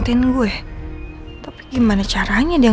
uh enggak apa apain